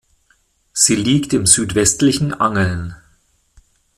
Sie liegt im südwestlichen Angeln.